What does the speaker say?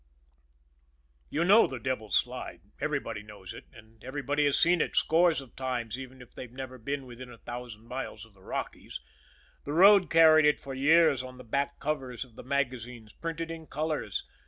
You know the Devil's Slide. Everybody knows it; and everybody has seen it scores of times, even if they've never been within a thousand miles of the Rockies the road carried it for years on the back covers of the magazines printed in colors.